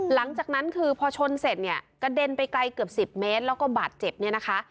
หลังจากนั้นคือพอชนเสร็จเนี่ยกระเด็นไปไกลเกือบ๑๐เมตรแล้วก็บาดเจ็บเนี่ยนะคะ